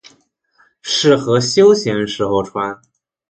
适合休闲时候穿。